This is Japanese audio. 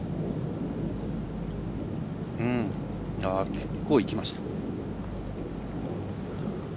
結構、いきました。